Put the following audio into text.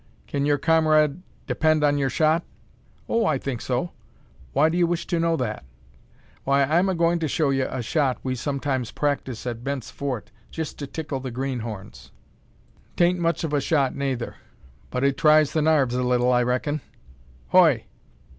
"Kin your cummarade depend on yer shot?" "Oh! I think so. Why do you wish to know that?" "Why, I'm a going to show ye a shot we sometimes practise at Bent's Fort, jest to tickle the greenhorns. 'Tain't much of a shot nayther; but it tries the narves a little I reckon. Hoy!